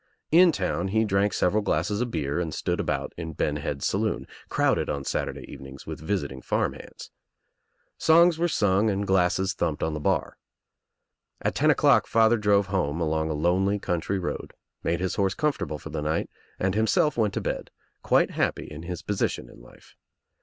In town he drank several glasses of beer and stood about In Ben Head's saloon — crowded on Saturday evenings with visiting farm hands. Songs were sung and glasses thumped on the bar. At ten o'clock father drove home along a lonely country road, made his horse comfortable for the night and himself went to bed, quite happy in his position in life.